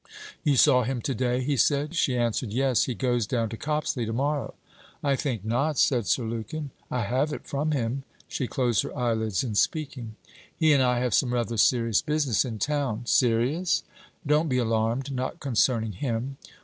'You saw him to day,' he said. She answered: 'Yes. He goes down to Copsley tomorrow.' 'I think not,' said Sir Lukin.' 'I have it from him.' She closed her eyelids in speaking. 'He and I have some rather serious business in town.' 'Serious?' 'Don't be alarmed: not concerning him.'